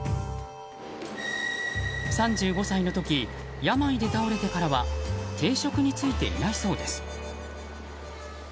３５歳の時、病で倒れてからは定職に就いていないそうです。